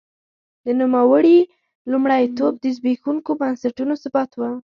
د نوموړي لومړیتوب د زبېښونکو بنسټونو ثبات و.